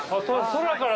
空から。